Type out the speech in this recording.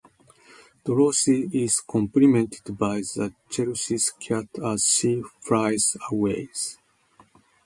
Dorothy is complimented by the Cheshire Cat as she flies away.